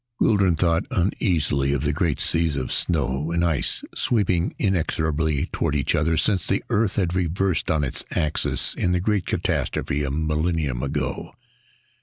Guldran thought uneasily of the great seas of snow and ice sweeping inexorably toward each other since the Earth had reversed on its axis in the great catastrophe a millennium ago.